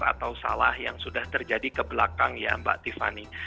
saya tidak tahu salah yang sudah terjadi ke belakang ya mbak tiffany